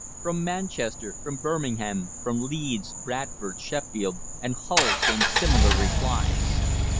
From Manchester, from Birmingham, from Leeds, Bradford, Sheffield, and Hull came similar replies.